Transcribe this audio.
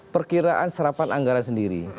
perkiraan serapan anggaran sendiri